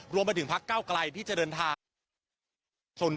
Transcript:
รวมมาถึงพักเก้ากลายที่จะเดินทาง